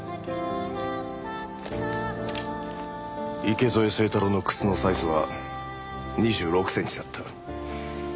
池添清太郎の靴のサイズは２６センチだった。